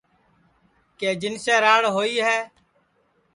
کہ جنسے راڑ ہوئی ہے